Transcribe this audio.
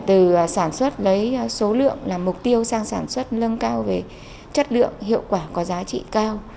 từ sản xuất lấy số lượng là mục tiêu sang sản xuất nâng cao về chất lượng hiệu quả có giá trị cao